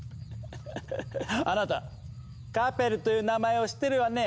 フフフフあなた「カペル」という名前を知ってるわね？